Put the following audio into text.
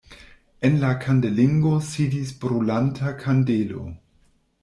En la kandelingo sidis brulanta kandelo.